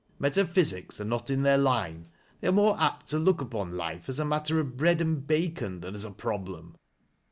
Metaphysics are not in their line. They are more apt to look upon life as a matter of bread and bacon than as a problem."